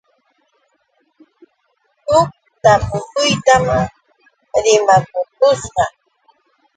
Huk tapukuyta maa rimakurqushaq.